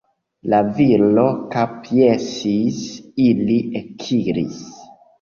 La viro kapjesis, ili ekiris.